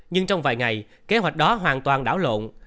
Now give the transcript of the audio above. nhưng trong vài ngày kế hoạch đó hoàn toàn đảo lộn